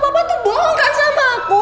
mama tuh bohong kan sama aku